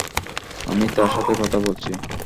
আমি তার সাথে কথা বলছি।